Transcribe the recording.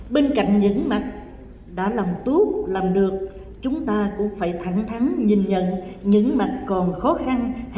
bên cạnh những mặt đã làm tốt làm được chúng ta cũng phải thẳng thắng nhìn nhận những mặt còn khó khăn hạn chế